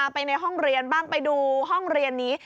ไปในห้องเรียนบ้างไปดูห้องเรียนนี้